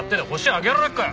挙げられっかよ！